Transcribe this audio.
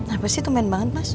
apa sih kemen banget mas